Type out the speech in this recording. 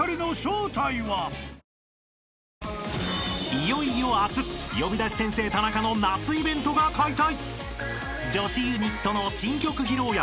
［いよいよ明日『呼び出し先生タナカ』の夏イベントが開催］